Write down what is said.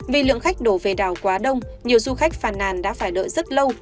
vì lượng khách đổ về đảo quá đông nhiều du khách phàn nàn đã phải đợi rất lâu